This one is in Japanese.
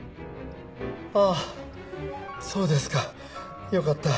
あぁそうですかよかった。